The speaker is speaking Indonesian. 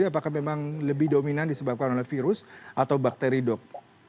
apakah memang lebih dominan disebabkan oleh virus atau bakteri dok